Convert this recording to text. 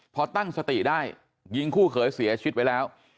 พอตั้งสติได้ยิงคู่เขยเสียชีวิตไว้แล้ว